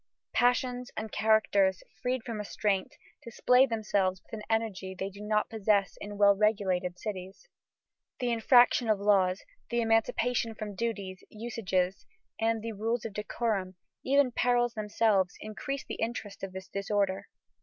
Passions and characters, freed from restraint, display themselves with an energy they do not possess in well regulated cities. The infraction of laws, the emancipation from duties, usages, and the rules of decorum, even perils themselves, increase the interest of this disorder."